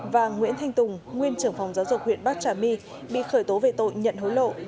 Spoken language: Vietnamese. và nguyễn thanh tùng nguyên trưởng phòng giáo dục huyện bắc trà my bị khởi tố về tội nhận hối lộ